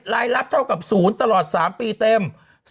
รายลัพธ์เท่ากับ๐ตลอด๓ปีเต็ม